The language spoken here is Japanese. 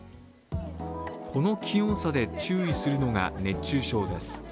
この気温差で注意するのが熱中症です。